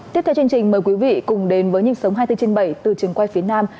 tiếp theo chương trình mời quý vị cùng đến với nhân sống hai trăm bốn mươi bảy từ trường quay phía nam